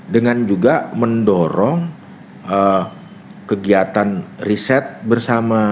dengan juga mendorong kegiatan riset bersama